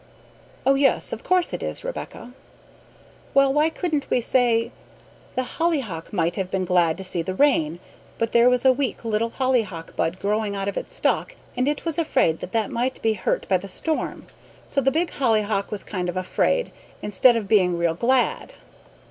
"Oh yes, of course it is, Rebecca" "Well, couldn't we say, 'The hollyhock might have been glad to see the rain, but there was a weak little hollyhock bud growing out of its stalk and it was afraid that that might be hurt by the storm; so the big hollyhock was kind of afraid, instead of being real glad'?"